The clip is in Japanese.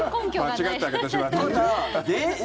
間違って上げてしまった。